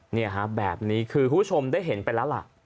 เนี่ยฮะแบบนี้คือคุณผู้ชมได้เห็นไปแล้วล่ะ